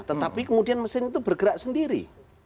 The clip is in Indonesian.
tetapi kemudian mesin itu bergerak sendiri